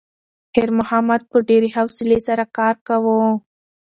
خیر محمد په ډېرې حوصلې سره کار کاوه.